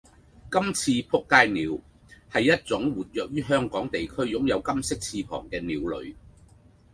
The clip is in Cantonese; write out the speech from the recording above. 「金翅仆街鳥」係一種活躍於香港地區擁有金色翅膀嘅鳥類